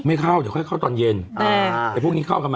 ไม่เข้าเดี๋ยวค่อยเข้าตอนเย็นแต่พวกนี้เข้ากันมา